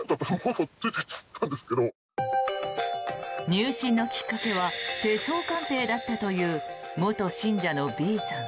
入信のきっかけは手相鑑定だったという元信者のＢさん。